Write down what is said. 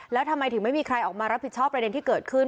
แล้วทำไมถึงไม่มีใครออกมารับผิดชอบประเด็นที่เกิดขึ้น